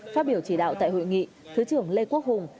phát biểu chỉ đạo tại hội nghị thứ trưởng lê quốc hùng